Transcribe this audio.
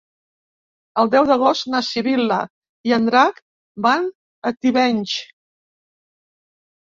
El deu d'agost na Sibil·la i en Drac van a Tivenys.